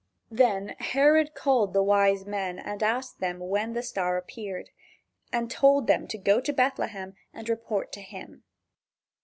Then Herod called the wise men and asked them when the star appeared, and told them to go to Bethlehem and report to him.